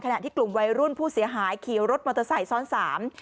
ขณะที่กลุ่มวัยรุ่นผู้เสียหายขี่รถมอเตอร์ไซค์ซ้อนสาม